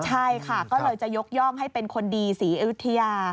ใช่ค่ะก็เลยจะยกย่องให้เป็นคนดีศรีอยุธยา